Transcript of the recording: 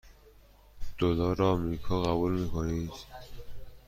دلار آمریکا قبول می کنید؟